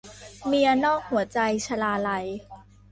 เมียนอกหัวใจ - ชลาลัย